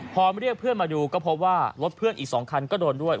พอเรียกเพื่อนมาดูก็พบว่ารถเพื่อนอีก๒คันก็โดนด้วย